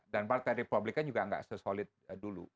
dan partai republikan juga nggak sesolid dulu